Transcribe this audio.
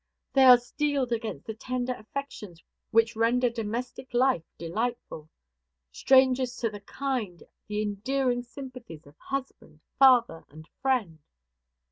They are steeled against the tender affections which render domestic life delightful; strangers to the kind, the endearing sympathies of husband, father, and friend.